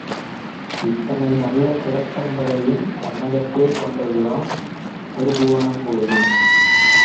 இத்தனை நல்ல சிற்பங்களையும் தன்னகத்தே கொண்டதுதான் திரிபுவனம் கோயில்.